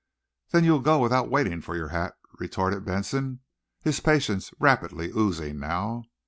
"Then you'll go without waiting for your hat," retorted Benson, his patience rapidly oozing now.